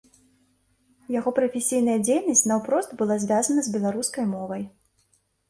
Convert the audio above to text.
Яго прафесійная дзейнасць наўпрост была звязана з беларускай мовай.